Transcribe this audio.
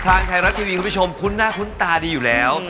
ทางไทยรัฐทีวีคุณผู้ชมคุ้นหน้าคุ้นตาดีอยู่แล้ว